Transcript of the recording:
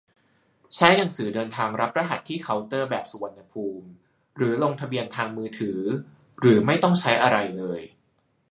ใช้หนังสือเดินทางรับรหัสที่เคาน์เตอร์แบบสุวรรณภูมิ หรือลงทะเบียนทางมือถือ หรือไม่ต้องใช้อะไรเลย